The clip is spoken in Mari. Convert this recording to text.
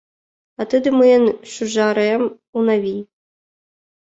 А тиде мыйын шӱжарем — Унави.